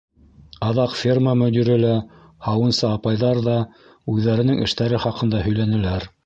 Аҙаҡ ферма мөдире лә, һауынсы апайҙар ҙа үҙҙәренең эштәре хаҡында һөйләнеләр.